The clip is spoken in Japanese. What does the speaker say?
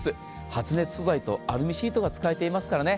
発熱素材とアルミシートが使われていますからね。